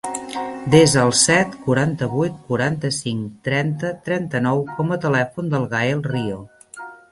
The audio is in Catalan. Desa el set, quaranta-vuit, quaranta-cinc, trenta, trenta-nou com a telèfon del Gaël Rio.